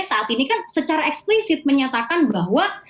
saat ini kan secara eksplisit menyatakan bahwa